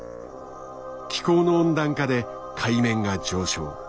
気候の温暖化で海面が上昇。